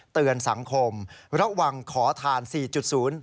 เตือนสังคมระวังขอทานสี่จุดศูนย์